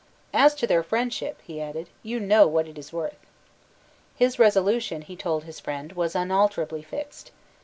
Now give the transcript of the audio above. "As to their friendship," he added, "you know what it is worth." His resolution, he told his friend, was unalterably fixed.